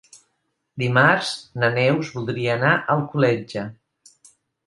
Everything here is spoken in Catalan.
Dimarts na Neus voldria anar a Alcoletge.